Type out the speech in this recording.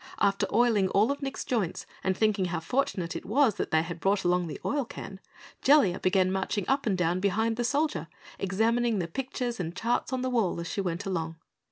After oiling all of Nick's joints and thinking how fortunate it was they had brought along the oil can, Jellia began marching up and down behind the Soldier, examining the pictures and charts on the wall as she went along.